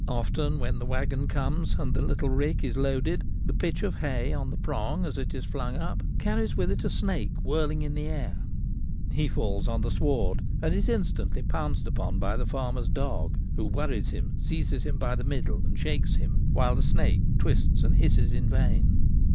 Often when the waggon comes, and the little rick is loaded, the ' pitch ' of hay on the prong as it is flung up carries with it a snake whirling in the air. He falls on the sward and is instantly pounced upon by the farmer's dog, who Snakes on Summer Ricks. 77 worries him, seizes him by the middle and shakes him, while the snake twists and hisses in vain.